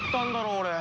俺。